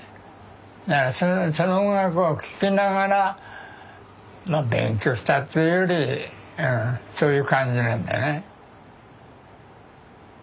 だからその音楽を聴きながらま勉強したっつうよりうんそういう感じなんだね。